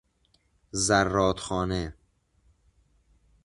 زرادخانه